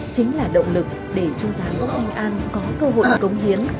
chính là động lực để trung tá vũ thanh an có cơ hội cống hiến